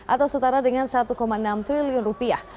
atau setara dengan satu enam triliun rupiah